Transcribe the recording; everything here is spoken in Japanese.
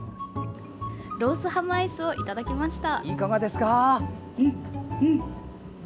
ロースハムアイスをいただきました。